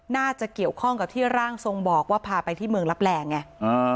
น่าจะเกี่ยวข้องกับที่ร่างทรงบอกว่าพาไปที่เมืองรับแรงไงอ่า